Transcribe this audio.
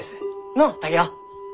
のう竹雄？